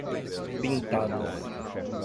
Pintadas